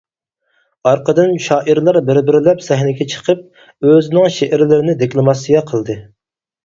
ئارقىدىن شائىرلار بىر-بىرلەپ سەھنىگە چىقىپ، ئۆزىنىڭ شېئىرلىرىنى دېكلاماتسىيە قىلدى.